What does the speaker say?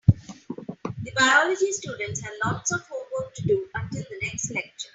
The biology students had lots of homework to do until the next lecture.